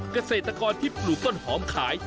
เกษตรกรที่ปลูกต้นหอมขาย